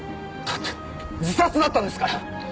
だって自殺だったんですから！